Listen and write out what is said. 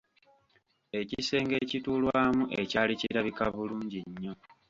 Ekisenge ekituulwamu ekyali kirabika bulungi nnyo.